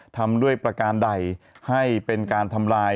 ทำด้วยประการใดให้เป็นการทำลาย